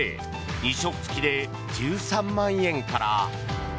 ２食付きで１３万円から。